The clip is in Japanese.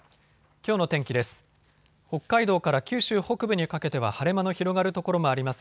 きょうの天気です。